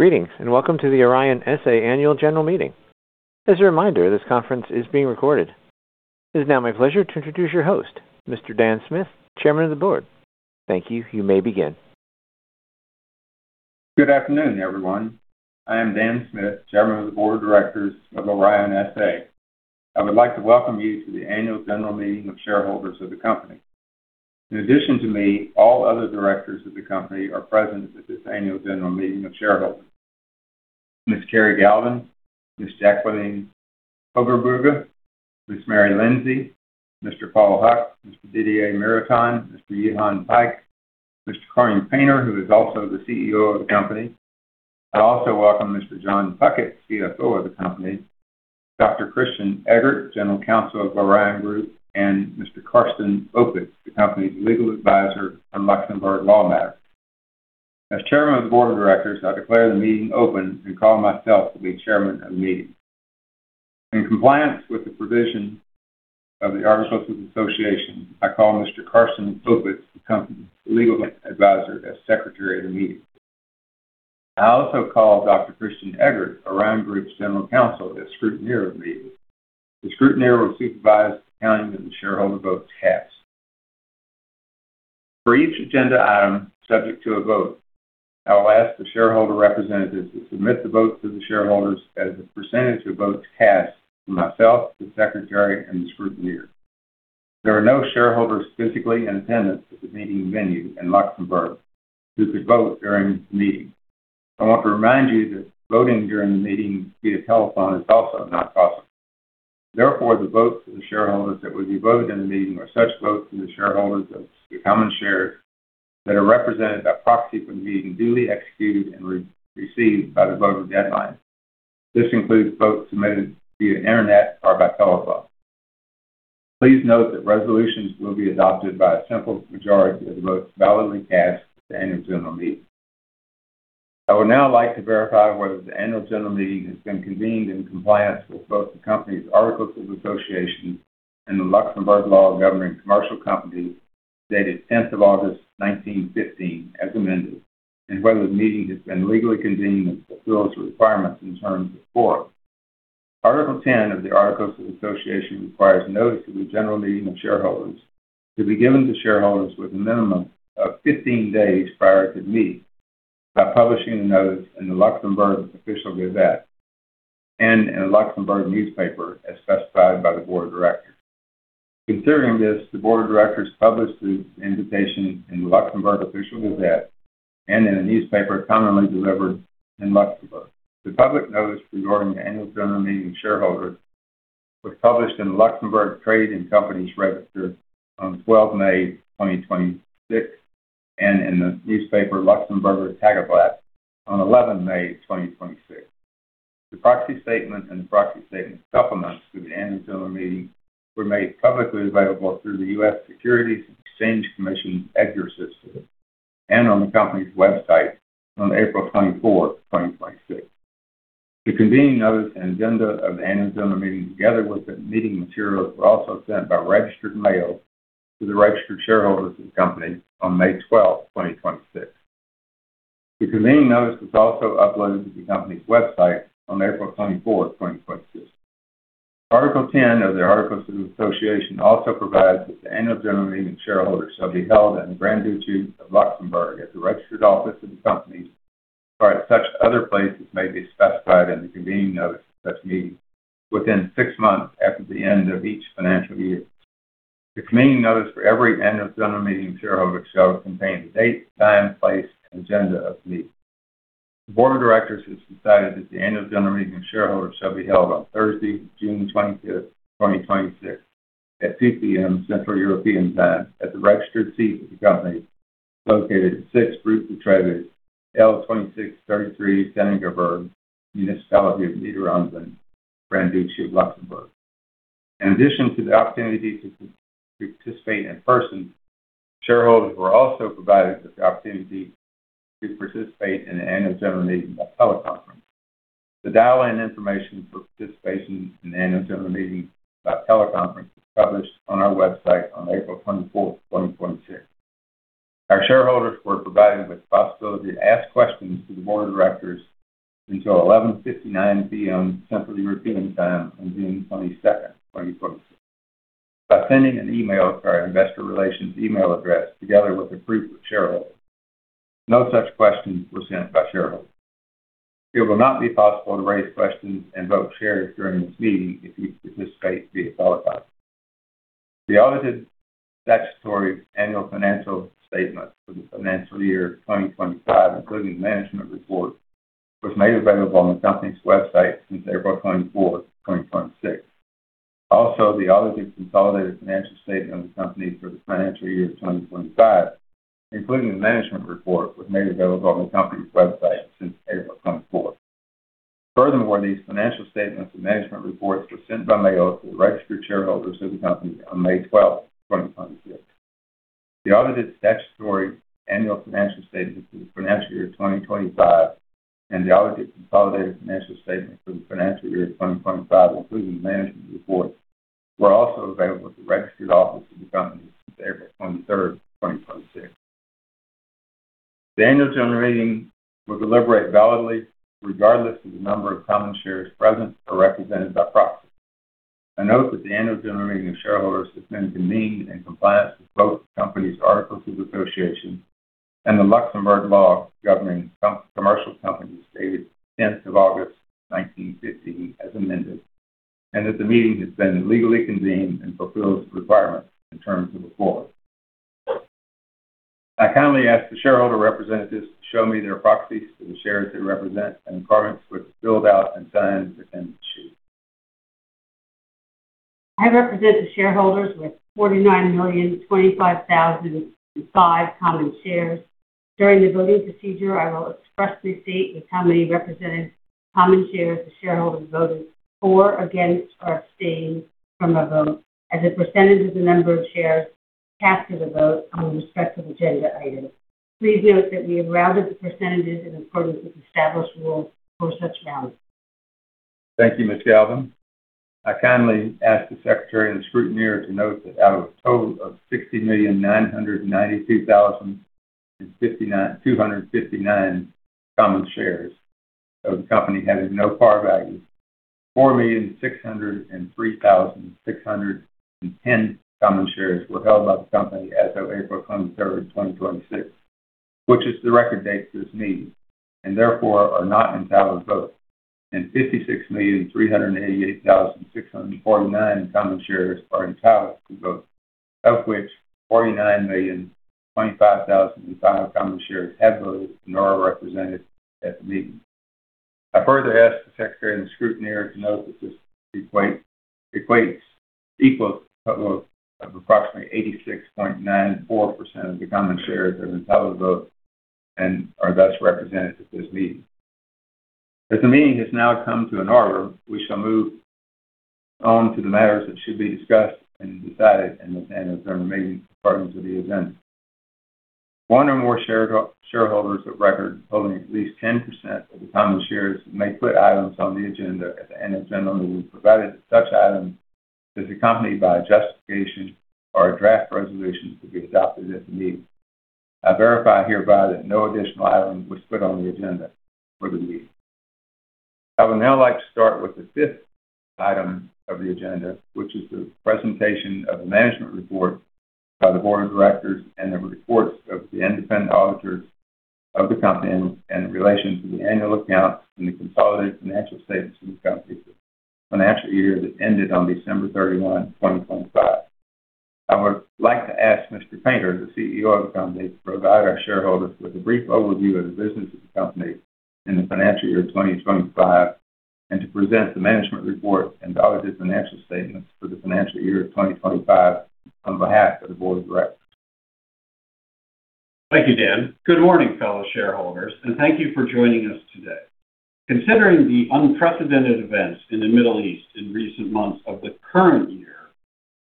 Greetings. Welcome to the Orion S.A. Annual General Meeting. As a reminder, this conference is being recorded. It is now my pleasure to introduce your host, Mr. Dan Smith, Chairman of the Board. Thank you. You may begin. Good afternoon, everyone. I am Dan Smith, Chairman of the Board of Directors of Orion S.A. I would like to welcome you to the Annual General Meeting of Shareholders of the company. In addition to me, all other Directors of the company are present at this Annual General Meeting of Shareholders. Ms. Kerry Galvin, Ms. Jacqueline Hoogerbrugge, Ms. Mary Lindsey, Mr. Paul Huck, Mr. Didier Miraton, Mr. Yi Hyon Paik, Mr. Corning Painter, who is also the CEO of the company. I also welcome Mr. Jon Puckett, CFO of the company, Dr. Christian Eggert, General Counsel of Orion Group, and Mr. Carsten Opitz, the company's Legal Advisor on Luxembourg law matters. As Chairman of the Board of Directors, I declare the meeting open and call myself to be Chairman of the meeting. In compliance with the provision of the Articles of Association, I call Mr. Carsten Opitz, the company's Legal Advisor, as Secretary of the meeting. I also call Dr. Christian Eggert, Orion Group's General Counsel, as Scrutineer of the meeting. The Scrutineer will supervise the counting of the shareholder votes cast. For each agenda item subject to a vote, I will ask the shareholder representatives to submit the votes of the shareholders as a percentage of votes cast to myself, the Secretary, and the Scrutineer. There are no shareholders physically in attendance at the meeting venue in Luxembourg who could vote during this meeting. I want to remind you that voting during the meeting via telephone is also not possible. The votes of the shareholders that will be voted in the meeting are such votes of the shareholders of the common shares that are represented by proxy for the meeting duly executed and received by the voting deadline. This includes votes submitted via internet or by telephone. Please note that resolutions will be adopted by a simple majority of the votes validly cast at the Annual General Meeting. I would now like to verify whether the Annual General Meeting has been convened in compliance with both the company's Articles of Association and the Luxembourg Law of Governing Commercial Companies, dated 10th of August 1915, as amended, and whether the meeting has been legally convened and fulfills the requirements in terms of forum. Article 10 of the Articles of Association requires notice of the General Meeting of Shareholders to be given to shareholders with a minimum of 15 days prior to the meet by publishing the notice in the Luxembourg official gazette and in Luxembourg newspaper as specified by the Board of Directors. Considering this, the Board of Directors published the invitation in the Luxembourg official gazette and in a newspaper commonly delivered in Luxembourg. The public notice regarding the Annual General Meeting of Shareholders was published in Luxembourg Trade and Companies Register on 12 May 2026 and in the newspaper Luxemburger Tageblatt on 11 May 2026. The proxy statement and proxy statement supplements to the Annual General Meeting were made publicly available through the U.S. Securities and Exchange Commission EDGAR system and on the company's website on April 24th, 2026. The convening notice and agenda of the Annual General Meeting, together with the meeting materials, were also sent by registered mail to the registered shareholders of the company on May 12th, 2026. The convening notice was also uploaded to the company's website on April 24th, 2026. Article 10 of the Articles of Association also provides that the Annual General Meeting of Shareholders shall be held in the Grand Duchy of Luxembourg at the registered office of the company or at such other places may be specified in the convening notice of such meetings within six months after the end of each financial year. The convening notice for every Annual General Meeting of Shareholders shall contain the date, time, place, and agenda of the meeting. The Board of Directors has decided that the Annual General Meeting of Shareholders shall be held on Thursday, June 25th, 2026 at 2:00 P.M. Central European Time at the registered seat of the company located at 6, Route de Trèves, L-2633 Senningerberg, Municipality of Niederanven, Grand Duchy of Luxembourg. In addition to the opportunity to participate in person, shareholders were also provided with the opportunity to participate in the Annual General Meeting by teleconference. The dial-in information for participation in the Annual General Meeting by teleconference was published on our website on April 24th, 2026. Our shareholders were provided with the possibility to ask questions to the Board of Directors until 11:59 P.M. Central European Time on June 22nd, 2026 by sending an email to our Investor Relations email address together with a group of shareholders. No such questions were sent by shareholders. It will not be possible to raise questions and vote shares during this meeting if you participate via telephone. The audited statutory annual financial statements for the financial year 2025, including the management report, was made available on the company's website since April 24th, 2026. Also, the audited consolidated financial statements of the company for the financial year 2025, including the management report, was made available on the company's website since April 24th, 2026. Furthermore, these financial statements and management reports were sent by mail to the registered shareholders of the company on May 12th, 2026. The audited statutory annual financial statements for the financial year 2025 and the audited consolidated financial statements for the financial year 2025, including the management report were also available at the registered office of the company since April 23rd, 2026. The Annual General Meeting will deliberate validly regardless of the number of common shares present or represented by proxy. I note that the Annual General Meeting of Shareholders has been convened in compliance with both the company's articles of association and the Luxembourg Law governing commercial companies, dated 10th of August 1915 as amended, and that the meeting has been legally convened and fulfills the requirements and terms of the Board. I kindly ask the shareholder representatives to show me their proxies for the shares they represent and correspondence which is filled out and signed if any. I represent the shareholders with 49,025,005 common shares. During the voting procedure, I will expressly state the company represented, common shares the shareholder voted for or against, or abstain from a vote as a percentage of the number of shares cast as a vote on the respective agenda item. Please note that we have rounded the percentage in accordance with established rules for such rounds. Thank you, Ms. Galvin. I kindly ask the Secretary and Scrutineer to note that out of a total of 60,992,259 common shares of the company having no par value, 4,603,610 common shares were held by the company as of April 23rd, 2026, which is the record date for this meeting, and therefore are not entitled to vote, and 56,388,649 common shares are entitled to vote, of which 49,025,005 common shares have voted and are represented at the meeting. I further ask the Secretary and Scrutineer to note that this equals a total vote of approximately 86.94% of the common shares that are entitled to vote and are best represented at this meeting. As the meeting has now come to an order, we shall move on to the matters that should be discussed and decided in this Annual General Meeting in accordance with the agenda. One or more shareholders of record holding at least 10% of the common shares may put items on the agenda at the Annual General Meeting, provided such item is accompanied by a justification or a draft resolution to be adopted at the meeting. I verify hereby that no additional items were put on the agenda for the meeting. I would now like to start with the fifth item of the agenda, which is the presentation of the management report by the Board of Directors and the reports of the independent auditors of the company in relation to the annual accounts and the consolidated financial statements of the company for the financial year that ended on December 31, 2025. I would like to ask Mr. Painter, the CEO of the company, to provide our shareholders with a brief overview of the business of the company in the financial year 2025. And to present the management report and audited financial statements for the financial year 2025 on behalf of the Board of Directors. Thank you, Dan. Good morning, fellow shareholders, and thank you for joining us today. Considering the unprecedented events in the Middle East in recent months of the current year,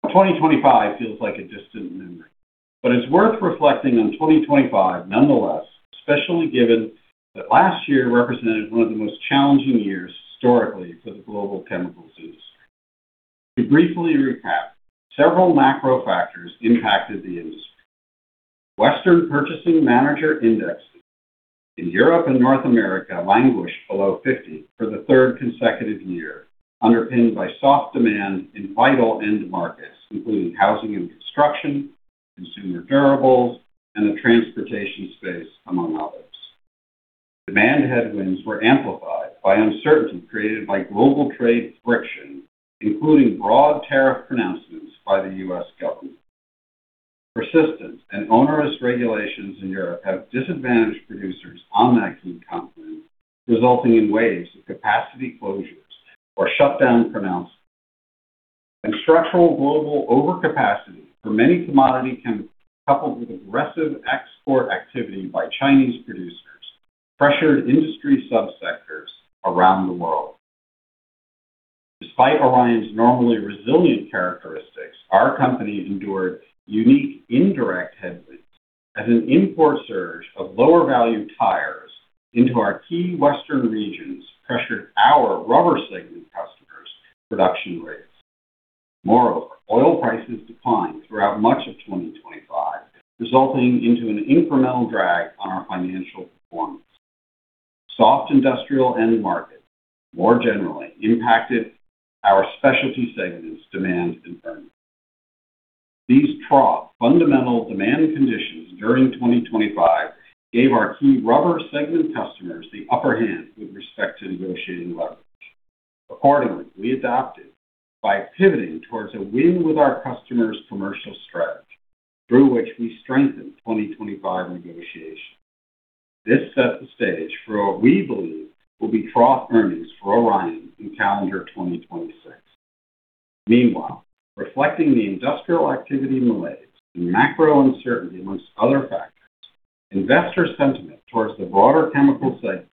2025 feels like a distant memory. It's worth reflecting on 2025 nonetheless, especially given that last year represented one of the most challenging years historically for the global chemical space. To briefly recap, several macro factors impacted the industry. Western Purchasing Managers' Index in Europe and North America languished below 50 for the third consecutive year, underpinned by soft demand in vital end markets, including housing and construction, consumer durables, and the transportation space, among others. Demand headwinds were amplified by uncertainty created by global trade friction, including broad tariff pronouncements by the U.S. government. Persistent and onerous regulations in Europe have disadvantaged producers on that key continent, resulting in waves of capacity closures or shutdown pronouncements and structural global overcapacity for many commodity chemicals, coupled with aggressive export activity by Chinese producers, pressured industry sub-sectors around the world. Despite Orion's normally resilient characteristics, our company endured unique indirect headwinds as an import surge of lower-value tires into our key Western regions pressured our Rubber segment customers' production rates. Moreover, oil prices declined throughout much of 2025, resulting into an incremental drag on our financial performance. Soft industrial end markets more generally impacted our Specialty segments demand environments. These trough fundamental demand conditions during 2025 gave our key Rubber segment customers the upper hand with respect to negotiating leverage. Accordingly, we adapted by pivoting towards a win with our customers commercial strategy, through which we strengthened 2025 negotiations. This set the stage for what we believe will be trough earnings for Orion in calendar 2026. Meanwhile, reflecting the industrial activity malaise and macro uncertainty amongst other factors, investor sentiment towards the broader chemical segment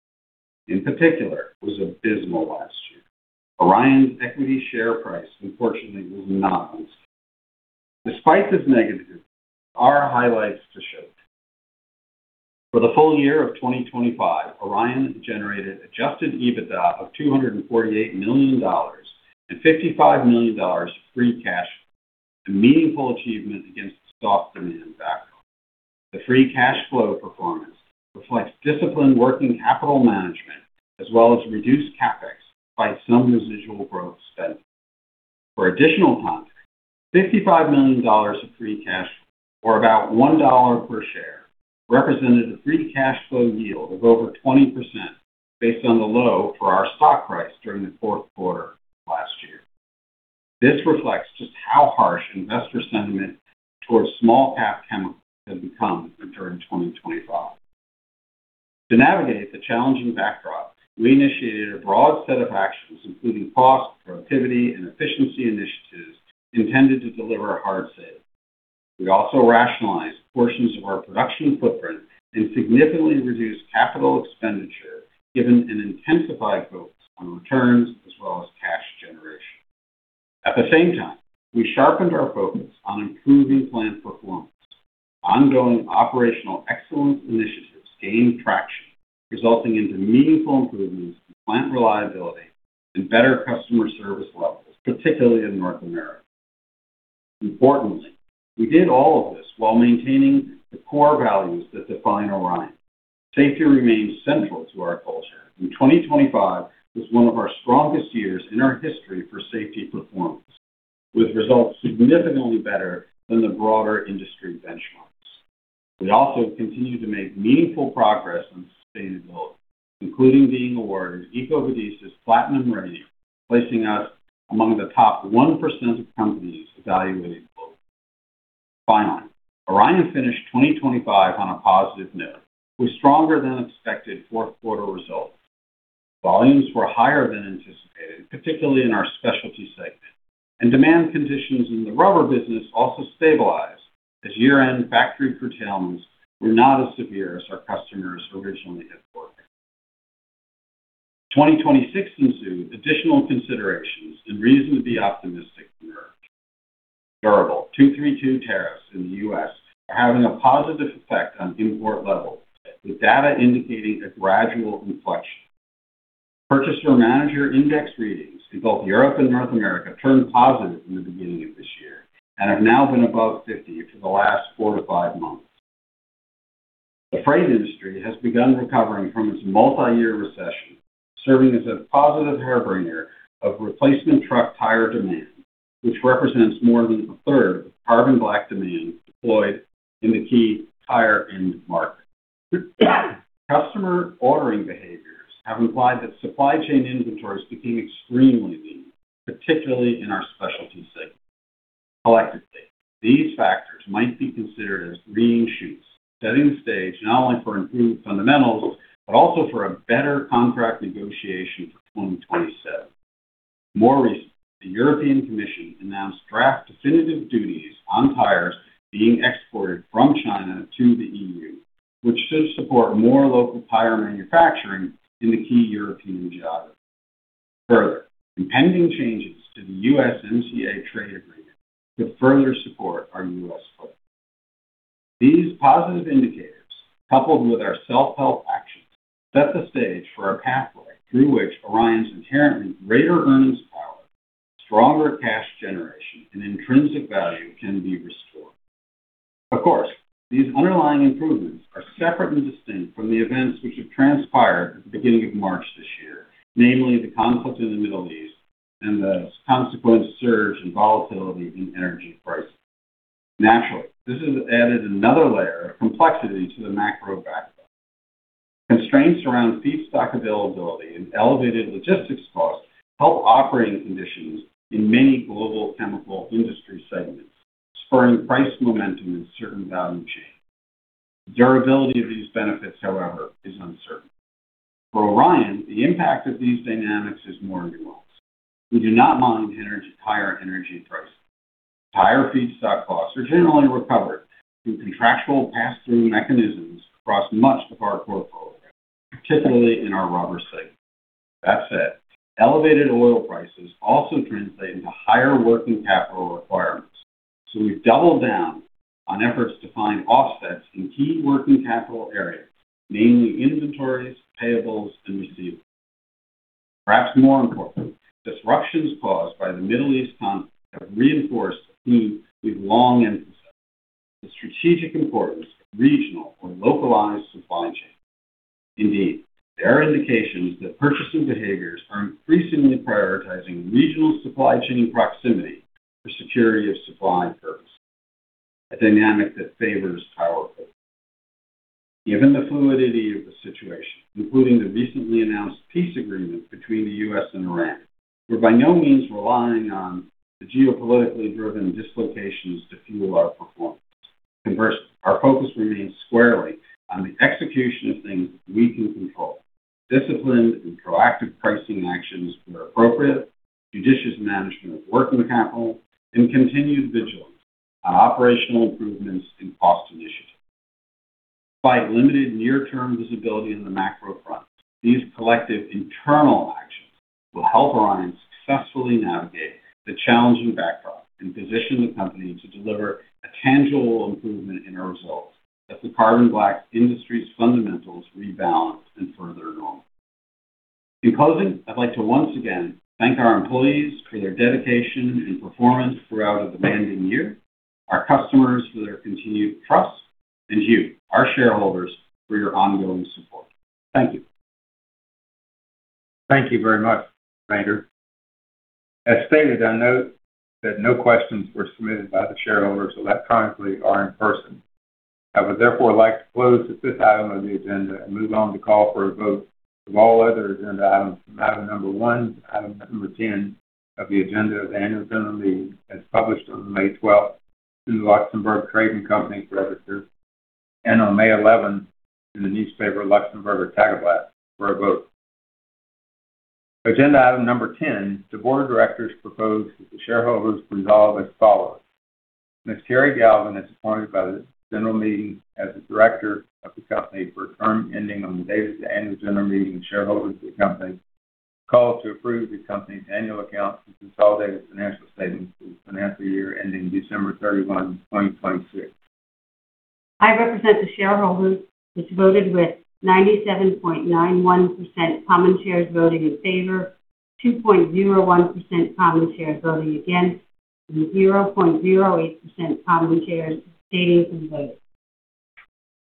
in particular was abysmal last year. Orion's equity share price, unfortunately, was not immune. Despite this negativity, our highlights to share for the full year of 2025, Orion generated adjusted EBITDA of $248 million and $55 million free cash flow, a meaningful achievement against a soft demand backdrop. The free cash flow performance reflects disciplined working capital management as well as reduced CapEx despite some residual growth spend. For additional context, $55 million of free cash flow, or about $1 per share, represented a free cash flow yield of over 20% based on the low for our stock price during the fourth quarter of last year. This reflects just how harsh investor sentiment towards small cap chemicals has become entering 2025. To navigate the challenging backdrop, we initiated a broad set of actions, including cost, productivity, and efficiency initiatives intended to deliver hard savings. We also rationalized portions of our production footprint and significantly reduced capital expenditure given an intensified focus on returns as well as cash generation. At the same time, we sharpened our focus on improving plant performance. Ongoing operational excellence initiatives gained traction, resulting into meaningful improvements in plant reliability and better customer service levels, particularly in North America. Importantly, we did all of this while maintaining the core values that define Orion. Safety remains central to our culture, and 2025 was one of our strongest years in our history for safety performance, with results significantly better than the broader industry benchmarks. We also continue to make meaningful progress on sustainability, including being awarded EcoVadis Platinum Rating, placing us among the top 1% of companies evaluated globally. Finally, Orion finished 2025 on a positive note with stronger than expected fourth quarter results. Volumes were higher than anticipated, particularly in our specialty segment. Demand conditions in the rubber business also stabilized as year-end factory curtailments were not as severe as our customers originally had forecast. 2026 ensued additional considerations and reason to be optimistic emerged. Durable 232 tariffs in the U.S. are having a positive effect on import levels, with data indicating a gradual inflection. Purchasing Managers' Index readings in both Europe and North America turned positive in the beginning of this year and have now been above 50 for the last four to five months. The freight industry has begun recovering from its multi-year recession. Serving as a positive harbinger of replacement truck tire demand, which represents more than a third of carbon black demand deployed in the key tire end market. Customer ordering behaviors have implied that supply chain inventories became extremely lean, particularly in our specialty segment. Collectively, these factors might be considered as green shoots, setting the stage not only for improved fundamentals, but also for a better contract negotiation for 2027. More recently, the European Commission announced draft definitive duties on tires being exported from China to the E.U., which should support more local tire manufacturing in the key European geography. Further, impending changes to the USMCA trade agreement could further support our U.S. footprint. These positive indicators, coupled with our self-help actions, set the stage for a pathway through which Orion's inherently greater earnings power, stronger cash generation, and intrinsic value can be restored. Of course, these underlying improvements are separate and distinct from the events which have transpired at the beginning of March this year, namely the conflict in the Middle East and the consequent surge in volatility in energy prices. Naturally, this has added another layer of complexity to the macro backdrop. Constraints around feedstock availability and elevated logistics costs help operating conditions in many global chemical industry segments, spurring price momentum in certain value chains. The durability of these benefits, however, is uncertain. For Orion, the impact of these dynamics is more nuanced. We do not mind higher energy prices. Higher feedstock costs are generally recovered through contractual pass-through mechanisms across much of our portfolio, particularly in our rubber segment. That said, elevated oil prices also translate into higher working capital requirements. We've doubled down on efforts to find offsets in key working capital areas, namely inventories, payables, and receivables. Perhaps more importantly, disruptions caused by the Middle East conflict have reinforced a theme we've long emphasized: the strategic importance of regional or localized supply chains. Indeed, there are indications that purchasing behaviors are increasingly prioritizing regional supply chain proximity for security of supply and purpose, a dynamic that favors our approach. Given the fluidity of the situation, including the recently announced peace agreement between the U.S. and Iran, we're by no means relying on the geopolitically driven dislocations to fuel our performance. Conversely, our focus remains squarely on the execution of things we can control. Disciplined and proactive pricing actions where appropriate, judicious management of working capital, and continued vigilance on operational improvements and cost initiatives. Despite limited near-term visibility on the macro front, these collective internal actions will help Orion successfully navigate the challenging backdrop and position the company to deliver a tangible improvement in our results as the carbon black industry's fundamentals rebalance and further along. In closing, I'd like to once again thank our employees for their dedication and performance throughout a demanding year, our customers for their continued trust, and you, our shareholders, for your ongoing support. Thank you. Thank you very much, Painter. As stated, I note that no questions were submitted by the shareholders electronically or in person. I would therefore like to close this item on the agenda and move on to call for a vote of all other agenda items from item number one to item number 10 of the agenda of the Annual General Meeting as published on May 12 through the Luxembourg Trade and Companies Register and on May 11 in the newspaper Luxemburger Tageblatt for a vote. Agenda item number 10, the Board of Directors proposed that the shareholders resolve as follows. Ms. Kerry Galvin is appointed by the General Meeting as a Director of the company for a term ending on the date of the Annual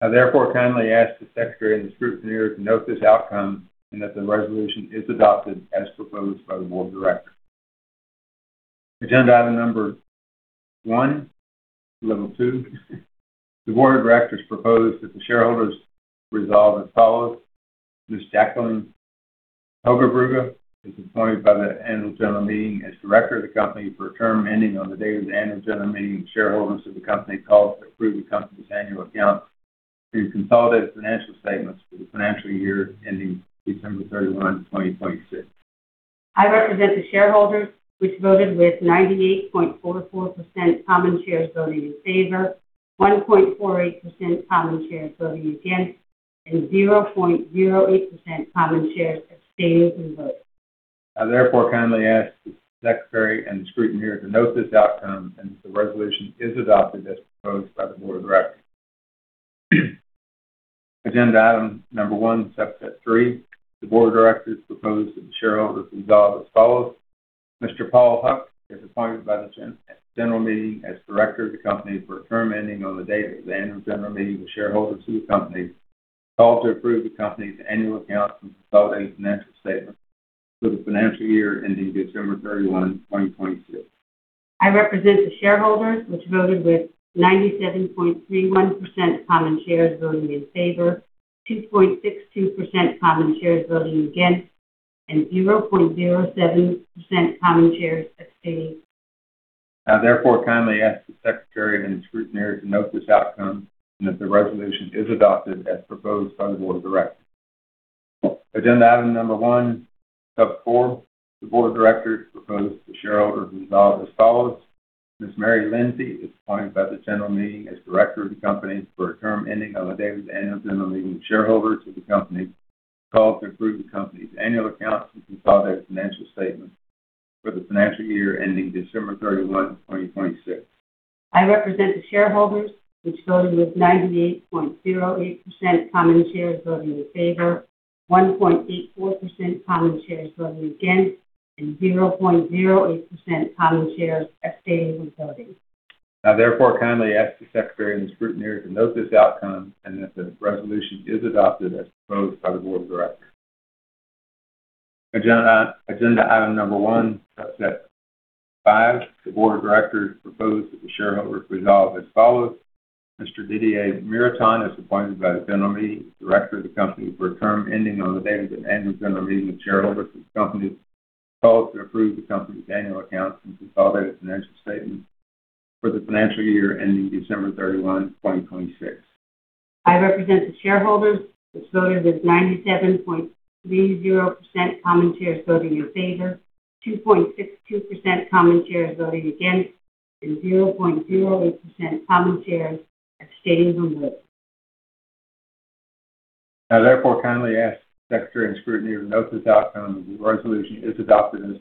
General Meeting of Shareholders of the company call to approve the company's annual account and consolidated financial statements for the financial year ending December 31, 2026. I represent the shareholders which voted with 97.91% common shares voting in favor, 2.01% common shares voting against, and 0.08% common shares abstaining from vote. I therefore kindly ask the Secretary and the Scrutineer to note this outcome and that the resolution is adopted as proposed by the Board of Directors. Agenda item Number 1, Level 2. The Board of Directors proposes that the shareholders resolve as follows: Ms. Jacqueline Hoogerbrugge is appointed by the Annual General Meeting as Director of the company for a term ending on the date of the Annual General Meeting of Shareholders of the company called to approve the company's annual account and consolidated financial statements for the financial year ending December 31, 2026. I represent the shareholders which voted with 98.44% common shares voting in favor, 1.48% common shares voting against, and 0.08% common shares abstaining from vote. I therefore kindly ask the Secretary and the Scrutineer to note this outcome and that the resolution is adopted as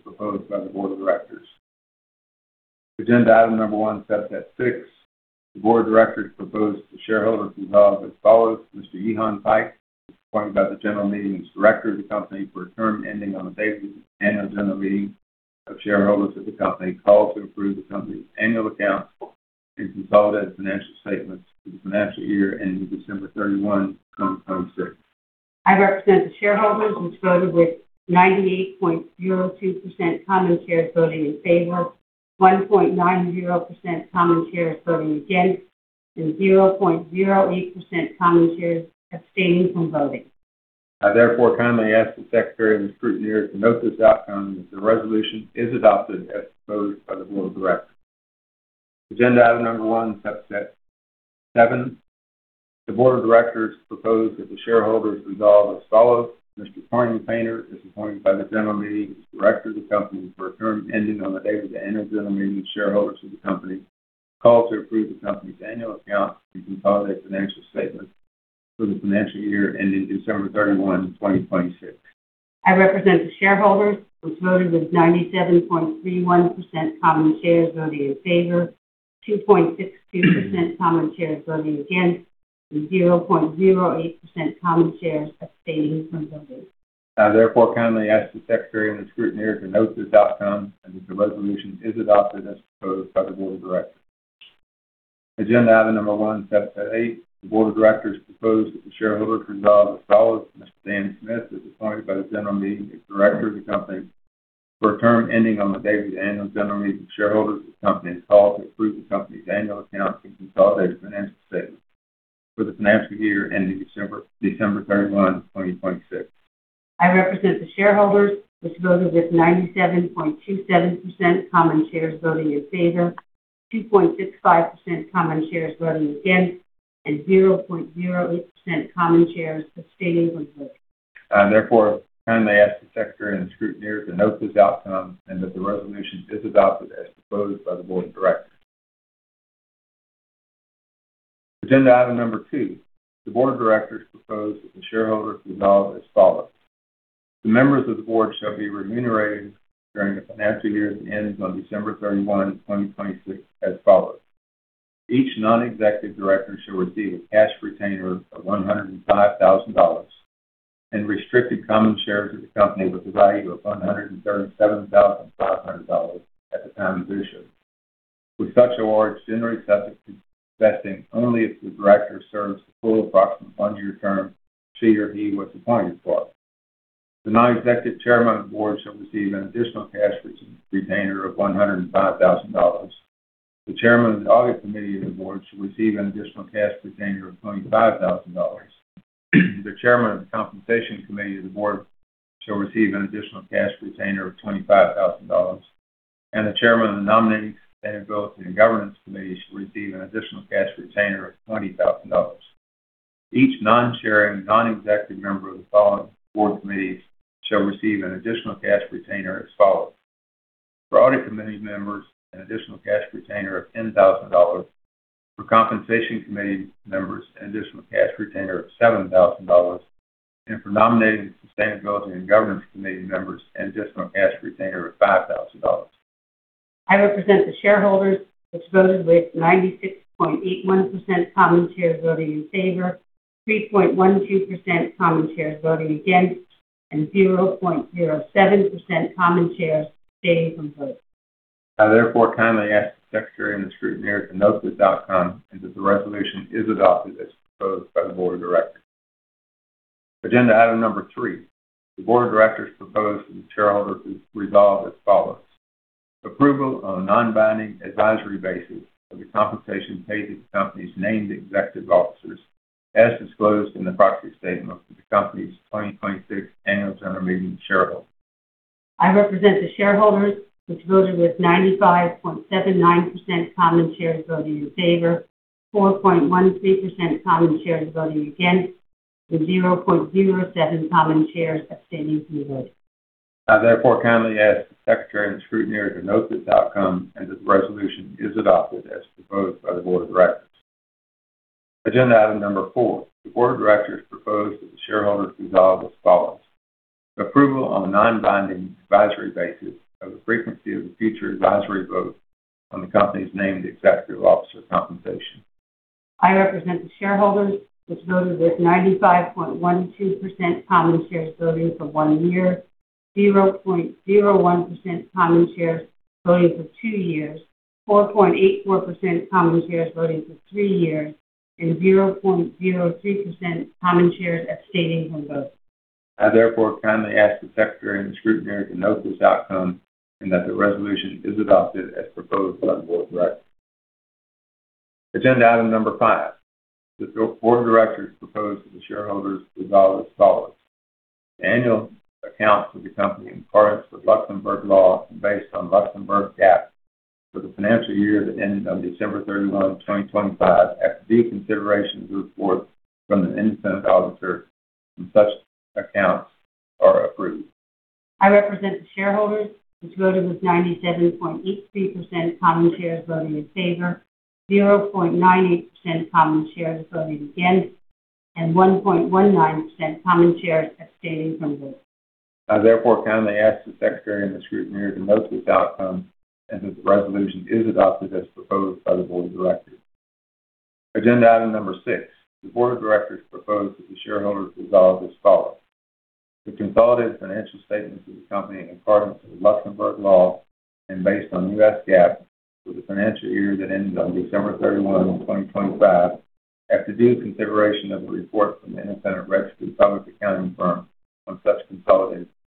proposed by the Board of Directors. Agenda item Number 1, Subset 3. The Board of Directors proposes that the shareholders resolve as follows: Mr. Paul Huck is appointed by the General Meeting as Director of the company for a term ending on the date of the Annual General Meeting of Shareholders of the company called to approve the company's annual accounts and consolidated financial statements for the financial year ending December 31, 2026. I represent the shareholders which voted with 97.31% common shares voting in favor, 2.62% common shares voting against, and 0.07% common shares abstaining. I therefore kindly ask the Secretary and the Scrutineer to note this outcome, and that the resolution is adopted as proposed by the Board of Directors. Agenda item Number 1, Sub-4. The Board of Directors propose the shareholders resolve as follows: Ms. Mary Lindsey is appointed by the General Meeting as Director of the company for a term ending on the date of the Annual General Meeting of Shareholders of the company call to approve the company's annual accounts and consolidated financial statements for the financial year ending December 31, 2026. I represent the shareholders which voted with 98.08% common shares voting in favor, 1.84% common shares voting against, and 0.08% common shares abstaining from voting. I therefore kindly ask the Secretary and the Scrutineer to note this outcome and that the resolution is adopted as proposed by the Board of Directors. vesting only if the Director serves the full approximate one-year term she or he was appointed for. The Non-Executive Chairman of the Board shall receive an additional cash retainer of $105,000. The Chairman of the Audit committee of the Board shall receive an additional cash retainer of $25,000. The Chairman of the Compensation committee of the Board shall receive an additional cash retainer of $25,000. The Chairman of the nominating, sustainability and governance committee shall receive an additional cash retainer of $20,000. Each non-chairing, non-executive member of the following Board committees shall receive an additional cash retainer as follows. For Audit committee members, an additional cash retainer of $10,000. For compensation committee members, an additional cash retainer of $7,000. For nominating, sustainability, and governance committee members, an additional cash retainer of $5,000. I represent the shareholders, which voted with 96.81% common shares voting in favor, 3.12% common shares voting against, and 0.07% common shares abstaining from vote. I therefore kindly ask the Secretary and the Scrutineer to note this outcome, and that the resolution is adopted as proposed by the Board of Directors. Agenda item Number 3: The Board of Directors propose that the shareholders resolve as follows. Approval on a non-binding advisory basis of the compensation paid to the company's named executive officers, as disclosed in the proxy statement for the company's 2026 Annual General Meeting of Shareholders. I represent the shareholders, which voted with 95.79% common shares voting in favor, 4.13% common shares voting against, with 0.07 common shares abstaining from vote. I therefore kindly ask the Secretary and the Scrutineer to note this outcome, and that the resolution is adopted as proposed by the Board of Directors. Agenda item Number 4. The Board of Directors propose that the shareholders resolve as follows. The approval on a non-binding advisory basis of the frequency of the future advisory vote on the company's named executive officer compensation. I represent the shareholders, which voted with 95.12% common shares voting for one year, 0.01% common shares voting for two years, 4.84% common shares voting for three years, 0.03% common shares abstaining from vote. I therefore kindly ask the Secretary and the Scrutineer to note this outcome,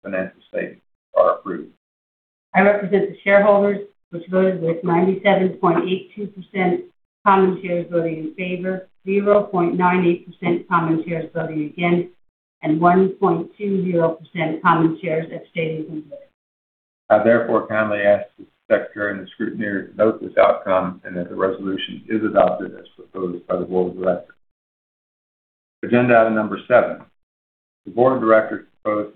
financial statements are approved. I represent the shareholders, which voted with 97.82% common shares voting in favor, 0.98% common shares voting against, and 1.20% common shares abstaining from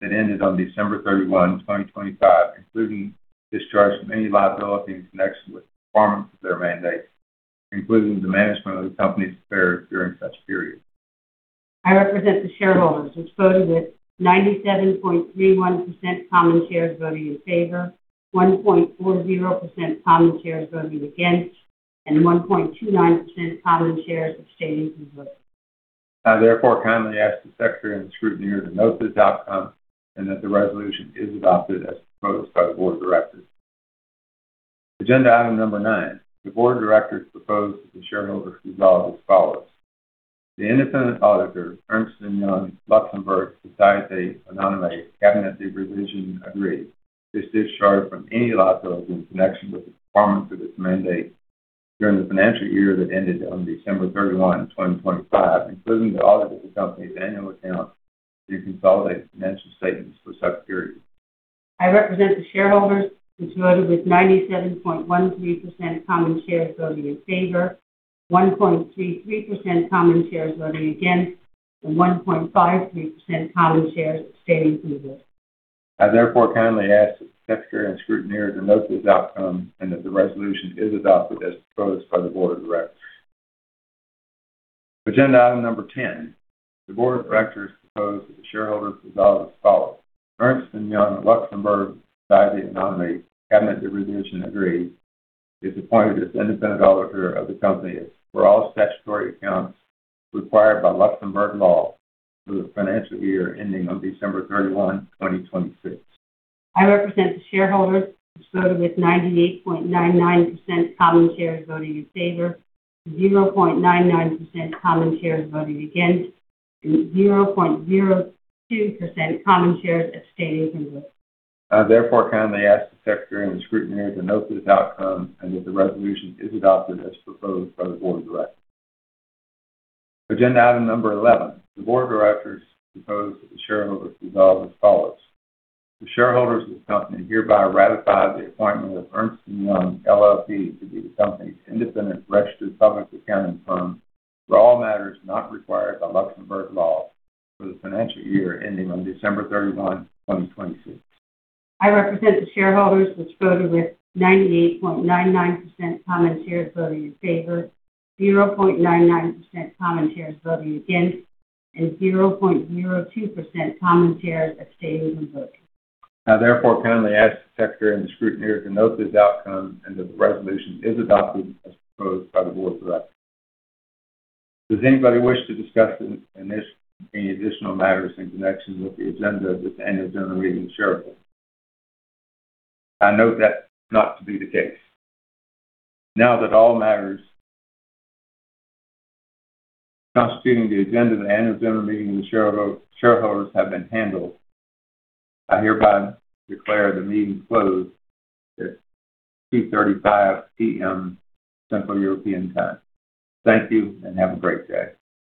that ended on December 31, 2025, including discharge from any liability in connection with the performance of their mandates, including the management of the company's affairs during such period. I represent the shareholders, which voted with 97.31% common shares voting in favor, 1.40% common shares voting against, and 1.29% common shares abstaining to vote. I therefore kindly ask the Secretary and the Scrutineer to note this outcome, and that the resolution is adopted as proposed by the Board of Directors. Agenda item Number 9. The Board of Directors propose that the shareholders resolve as follows: the independent auditor, Ernst & Young Société Anonyme-Cabinet de révision agréé, is discharged from any liability in connection with the performance of its mandate during the financial year that ended on December 31, 2025, including the audit of the company's annual accounts and consolidated financial statements for such period. I represent the shareholders, which voted with 97.13% common shares voting in favor, 1.33% common shares voting against, and 1.53% common shares abstaining to vote. I therefore kindly ask the Secretary and Scrutineer to note this outcome, and that the resolution is adopted as proposed by the Board of Directors. Agenda item Number 10. The Board of Directors propose that the shareholders resolve as follows: Ernst & Young Société Anonyme-Cabinet de révision agréé is appointed as independent auditor of the company for all statutory accounts required by Luxembourg law for the financial year ending on December 31, 2026. I represent the shareholders, which voted with 98.99% common shares voting in favor, 0.99% common shares voting against, and 0.02% common shares abstaining to vote. I therefore kindly ask the Secretary and the Scrutineer to note this outcome, and that the resolution is adopted as proposed by the Board of Directors. Agenda item Number 11. The Board of Directors propose that the shareholders resolve as follows: the shareholders of the company hereby ratify the appointment of Ernst & Young LLP to be the company's independent registered public accounting firm for all matters not required by Luxembourg law for the financial year ending on December 31, 2026. I represent the shareholders, which voted with 98.99% common shares voting in favor, 0.99% common shares voting against, and 0.02% common shares abstaining to vote. I therefore kindly ask the Secretary and the Scrutineer to note this outcome, and that the resolution is adopted as proposed by the Board of Directors. Does anybody wish to discuss any additional matters in connection with the agenda of this Annual General Meeting of Shareholders? I note that not to be the case. Now that all matters constituting the agenda of the Annual General Meeting of the Shareholders have been handled, I hereby declare the meeting closed at 2:35 P.M. Central European Time. Thank you, and have a great day.